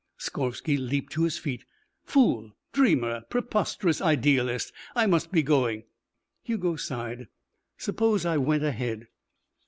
Skorvsky leaped to his feet. "Fool! Dreamer! Preposterous idealist! I must be going." Hugo sighed. "Suppose I went ahead?"